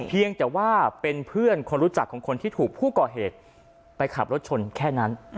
เพียงแต่ว่าเป็นเพื่อนคนรู้จักของคนที่ถูกผู้ก่อเหตุไปขับรถชนแค่นั้น